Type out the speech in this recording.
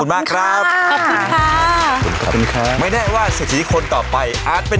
วันนี้เราทุกคนลาไปก่อน